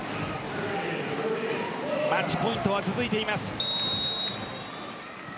マッチポイントは続いています。